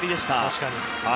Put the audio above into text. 確かに。